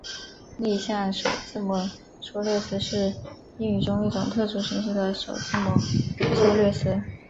逆向首字母缩略词是英语中一种特殊形式的首字母缩略词。